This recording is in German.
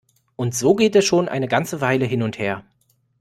Und so geht es schon eine ganze Weile hin und her.